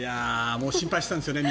もう心配してたんですよね。